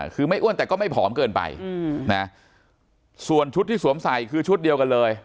คือไม่อ้วนแต่ก็ไม่ผอมเกินไปนะส่วนชุดที่สวมใส่คือชุดเดียวกันเลย